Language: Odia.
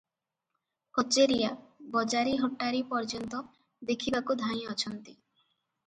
କଚେରିଆ, ବଜାରୀ ହଟାରୀ ପର୍ଯ୍ୟନ୍ତ ଦେଖିବାକୁ ଧାଇଁଅଛନ୍ତି ।